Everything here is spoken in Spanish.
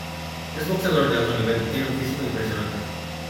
Es boxeador de alto nivel y tiene un físico impresionante.